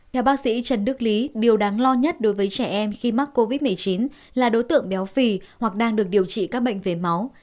theo bác sĩ trần đức lý điều đáng lo nhất đối với trẻ em khi mắc covid một mươi chín là đối tượng béo phì hoặc đang được điều trị các bệnh về máu